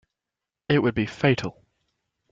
It would be fatal.